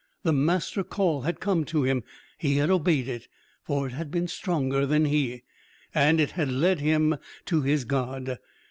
The master call had come to him. He had obeyed it. For it had been stronger than he. And it had led him to his god.